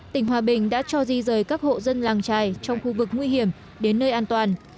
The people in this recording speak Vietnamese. tỉnh hòa bình đã cho di rời các hộ dân làng trài trong khu vực nguy hiểm đến nơi an toàn